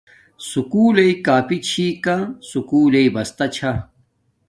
سکُولݵ کاپی چھی کا سکُول لݵ بستا چھا